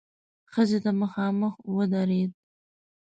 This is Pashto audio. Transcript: ښځې ته مخامخ ودرېد.